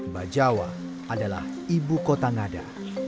bajawa adalah ibu kota ngada